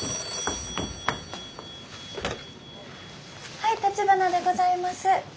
☎はい橘でございます。